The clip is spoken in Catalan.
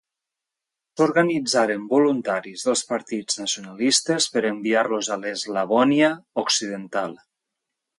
S'organitzaren voluntaris dels partits nacionalistes per enviar-los a l'Eslavònia occidental.